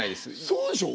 そうでしょう？